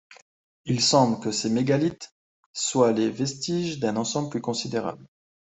Il semble que ces mégalithes soient les vestiges d’un ensemble plus considérable.